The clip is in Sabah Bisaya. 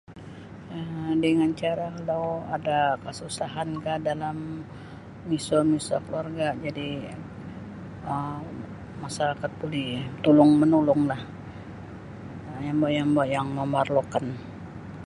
um Dengan cara kalau ada kasusahan kah dalam miso-miso kaluarga jadi um masyarakat buli tulung-manulunglah yombo-yombo yang memerlukan.